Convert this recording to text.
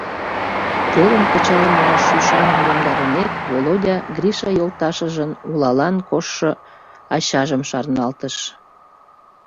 Терым кычал муаш ӱшаным йомдарымек, Володя Гриша йолташыжын улалан коштшо ачажым шарналтыш.